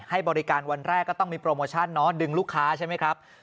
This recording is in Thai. ให้บริการวันแรกก็ต้องมีโปรโมชั่นเนาะดึงลูกค้าใช่ไหมครับ